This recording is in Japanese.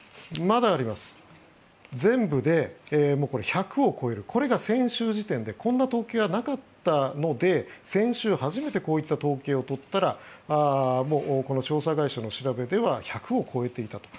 全部で１００を超えるこれが先週時点でこんな統計はなかったので先週、初めてこういった統計を取ったらもうこの調査会社の調べでは１００を超えていたと。